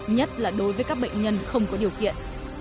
nhất là đối với các bệnh nhân không có điều kiện